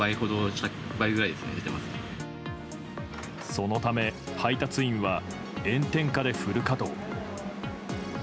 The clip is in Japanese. そのため、配達員は炎天下でフル稼働。